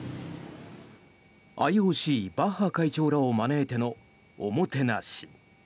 ＩＯＣ、バッハ会長らを招いてのおもてなし。